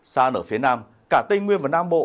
xa nở phía nam cả tây nguyên và nam bộ